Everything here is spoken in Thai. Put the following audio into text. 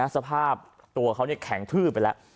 สภาพตัวเขาแข็งทืบไปแล้ว